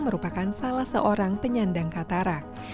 merupakan salah seorang penyandang katarak